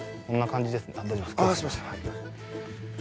こんな感じですね。